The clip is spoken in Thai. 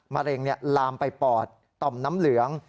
มะเร็งลามไปปอดต่อมน้ำเหลือง